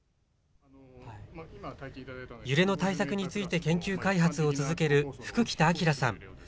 揺れの対策について研究・開発を続ける福喜多輝さん。